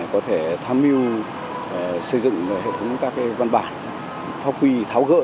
có thể tham mưu xây dựng hệ thống các văn bản pháp quy tháo gỡ